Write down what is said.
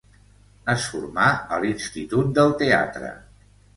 Es formà a l'Institut del teatre.